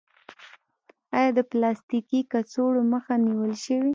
آیا د پلاستیکي کڅوړو مخه نیول شوې؟